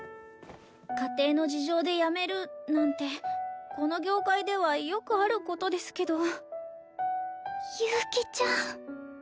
家庭の事情で辞めるなんてこの業界ではよくあることですけど。